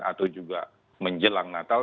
atau juga menjelang natal